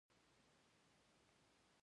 د بولان پټي د افغانستان طبعي ثروت دی.